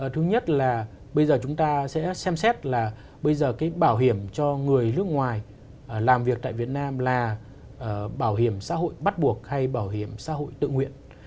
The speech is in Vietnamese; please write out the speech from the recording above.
thứ nhất là bây giờ chúng ta sẽ xem xét là bây giờ cái bảo hiểm cho người nước ngoài làm việc tại việt nam là bảo hiểm xã hội bắt buộc hay bảo hiểm xã hội tự nguyện